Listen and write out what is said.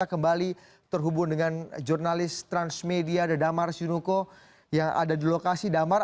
kita kembali terhubung dengan jurnalis transmedia ada damar sinuko yang ada di lokasi damar